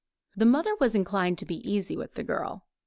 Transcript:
The mother was inclined to be easy with the girl.